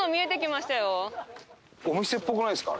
お店っぽくないですか？